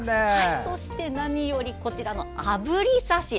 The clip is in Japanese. そして、何よりこちらのあぶり刺し。